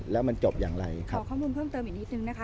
แล้วมันจบอย่างไรครับขอข้อมูลเพิ่มเติมอีกนิดนึงนะคะ